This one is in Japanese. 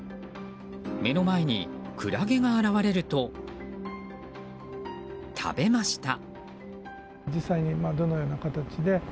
目の前にクラゲが現れると食べました。